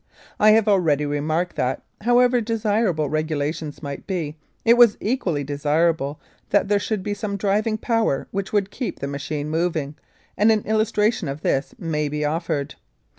I have already remarked that, however desirable regulations might be, it was equally desirable that there should be some driving power which would keep the machine moving, and an illustration of this may be offered.